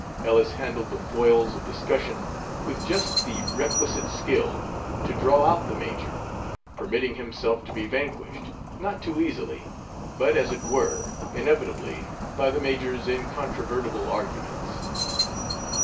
Ellis handled the foils of discussion with just the requisite skill to draw out the major, permitting himself to be vanquished, not too easily, but, as it were, inevitably, by the major's incontrovertible arguments.